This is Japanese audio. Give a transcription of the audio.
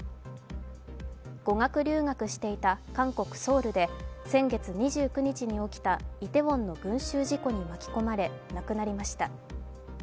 語学留学していた韓国・ソウルで先月２９日に起きたイテウォンの群集事故に巻き込まれ亡くなりました。